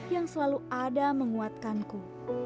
yang selalu ada menguatkanku